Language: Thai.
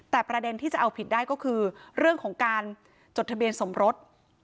แต่ประเด็นที่จะเอาผิดได้ก็คือเรื่องของการจดทะเบียนสมรส